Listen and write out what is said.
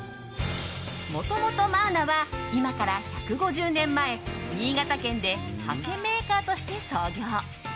もともとマーナは今から１５０年前新潟県ではけメーカーとして創業。